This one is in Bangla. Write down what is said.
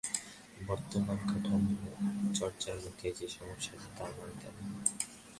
বর্তমান কাঠামো ও চর্চার মধ্যে যে সমস্যা আছে, তা মানতে হবে।